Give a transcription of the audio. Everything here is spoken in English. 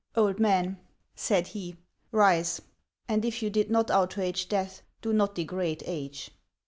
" Old man," said he, " rise ; and if you did not outrage death, do not degrade age."